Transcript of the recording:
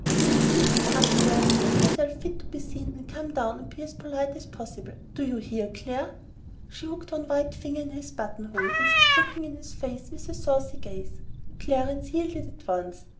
You will please go upstairs, make yourself fit to be seen, and come down and be as polite as possible. Do you hear, Clare?" She hooked one white finger in his buttonhole, and stood looking in his face with a saucy gaze. Clarence yielded at once.